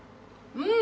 うん！